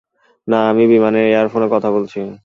না, আমি বিমানের এয়ার ফোনে কথা বলছি।